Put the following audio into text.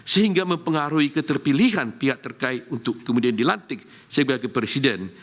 sehingga mempengaruhi keterpilihan pihak terkait untuk kemudian dilantik sebagai presiden